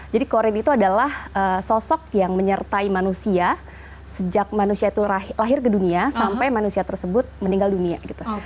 jadi corin itu adalah sosok yang menyertai manusia sejak manusia itu lahir ke dunia sampai manusia tersebut meninggal dunia gitu